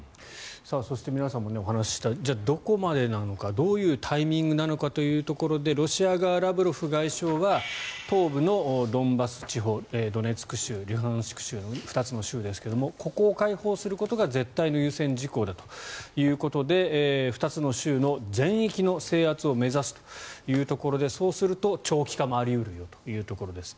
そして皆さんもお話ししたじゃあ、どこまでなのかどういうタイミングなのかというところでロシア側、ラブロフ外相は東部のドンバス地方ドネツク州、ルハンシク州の２つの州ですがここを解放することが絶対の優先事項だということで２つの州の全域の制圧を目指すというところでそうすると長期化もあり得るよということです。